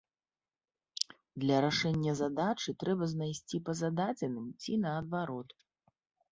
Для рашэння задачы трэба знайсці па зададзеным ці наадварот.